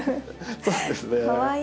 そうですね。